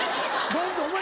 お前